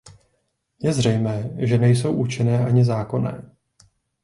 Je zřejmé, že nejsou účinné ani zákonné.